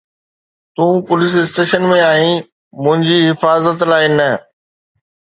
تون police station ۾ آهين، منهنجي حفاظت لاءِ نه.